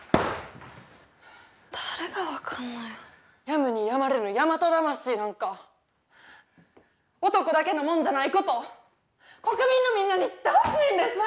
やむにやまれぬ大和魂なんか男だけのもんじゃないことを国民のみんなに知ってほしいんです！